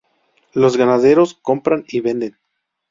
Los ganaderos compran y venden.